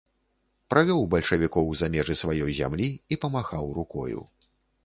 Правёў бальшавікоў за межы сваёй зямлі і памахаў рукою.